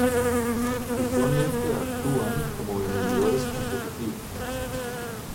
Usualmente actúan como "inhibidores competitivos".